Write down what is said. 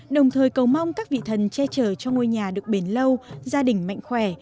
đồng thời cầu mong các vị thần che chở cho ngôi nhà được bền lâu gia đình mạnh khỏe